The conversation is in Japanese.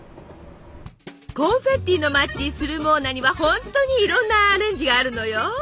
コンフェッティの町スルモーナには本当にいろんなアレンジがあるのよ。